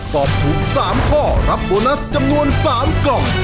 ตอบถูก๓ข้อรับโบนัสจำนวน๓กล่อง